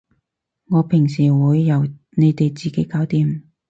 我平時會由你哋自己搞掂